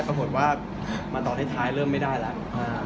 แต่ยังมาตอนที่ท้ายเริ่มไม่ได้แล้ว